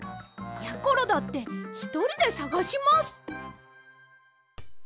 やころだってひとりでさがします。